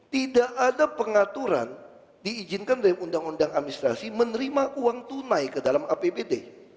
tidak ada pengaturan diizinkan dari undang undang administrasi menerima uang tunai ke dalam apbd